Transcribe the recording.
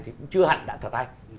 thì cũng chưa hẳn là thật hay